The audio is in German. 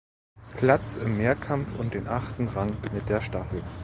Patz im Mehrkampf und den achten Rang mit der Staffel.